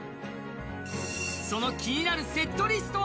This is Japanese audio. その気になるセットリストは